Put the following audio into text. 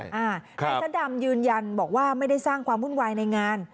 นายซะดำยืนยันบอกว่าไม่ได้สร้างความวุ่นวายในงาน